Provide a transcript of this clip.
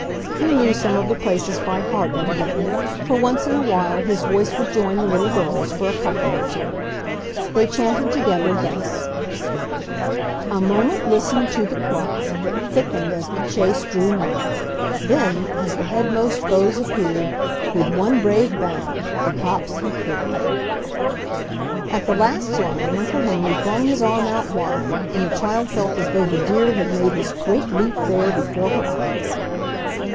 He knew some of the places by heart evidently, for once in a while his voice would join the little girl's for a couplet or two. They chanted together thus: A moment listened to the cry That thickened as the chase drew nigh, Then, as the headmost foes appeared, With one brave bound, the copse he cleared. At the last line Uncle Henry flung his arm out wide, and the child felt as though the deer had made his great leap there, before her eyes.